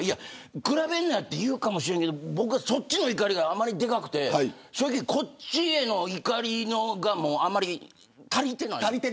比べるなって言うかもしれないけれど僕は、そっちの怒りがあまりにでかくて正直こっちへの怒りが足りてない。